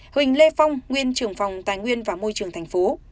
huỳnh lê phong nguyên trưởng phòng tài nguyên và môi trường tp